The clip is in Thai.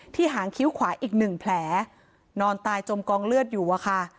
หางคิ้วขวาอีกหนึ่งแผลนอนตายจมกองเลือดอยู่อะค่ะ